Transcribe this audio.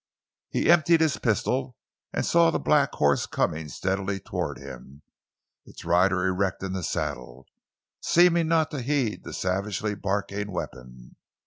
He emptied his pistol and saw the black horse coming steadily toward him, its rider erect in the saddle, seeming not to heed the savagely barking weapon.